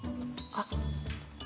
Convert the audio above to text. あっ。